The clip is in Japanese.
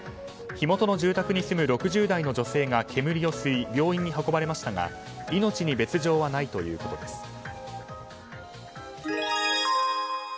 火元の住宅に住む６０代の女性が煙を吸い、病院に運ばれましたが命に別条はないということです。